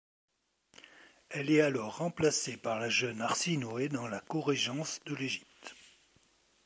Elle est alors remplacée par la jeune Arsinoé dans la corégence de l'Égypte.